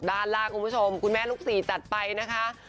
ด้านล่างคุณผู้ชมคุณแม่ลูกสี่จัดไปนะคะ